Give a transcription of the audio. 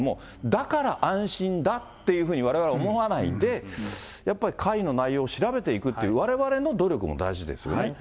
だから安心だっていうふうにわれわれ思わないで、やっぱり会の内容を調べていくっていう、われわれの努力も大事ですよね。